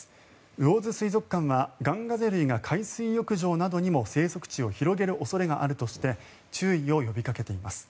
魚津水族館はガンガゼ類が海水浴場などにも生息地を広げる恐れがあるとして注意を呼びかけています。